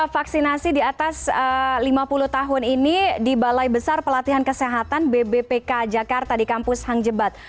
vaksinasi di atas lima puluh tahun ini di balai besar pelatihan kesehatan bbpk jakarta di kampus hang jebat